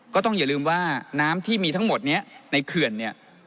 ก็ต้องอย่าลืมว่าน้ำที่มีทั้งหมดนี้ในเขื่อนเนี่ย